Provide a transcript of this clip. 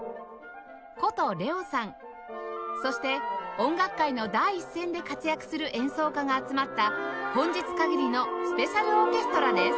そして音楽界の第一線で活躍する演奏家が集まった本日限りのスペシャルオーケストラです